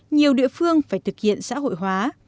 nhiều địa phương phải thực hiện xã hội hóa